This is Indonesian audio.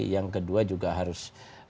yang kedua juga harus